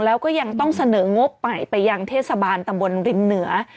แล้วก็ยังต้องเสนองบใหม่ไปยังเทศบาลตำบลริมเหนือ